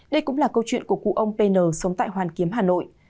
đây cũng là câu chuyện của cụ ông pn sống tại hoàn kiếm hà nội